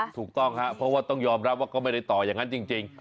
ถูกต้องครับเพราะว่าต้องยอมรับว่าก็ไม่ได้ต่ออย่างนั้นจริง